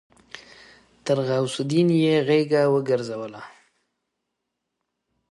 تر غوث الدين يې غېږه وګرځوله.